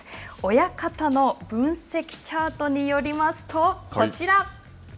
親方の分析チャートによりますと、こちら！